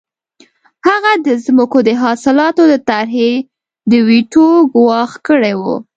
هغه د ځمکو د اصلاحاتو د طرحې د ویټو ګواښ کړی و